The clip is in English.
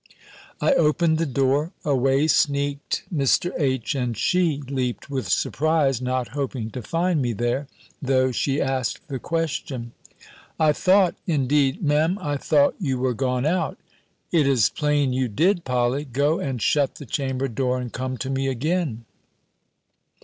I opened the door: away sneaked Mr. H., and she leaped with surprise, not hoping to find me there, though she asked the question. "I thought Indeed Me'm I thought you were gone out," "It is plain you did, Polly. Go and shut the chamber door, and come to me again."